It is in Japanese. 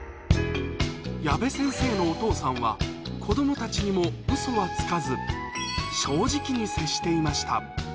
矢部先生のお父さんは、子どもたちにもうそはつかず、正直に接していました。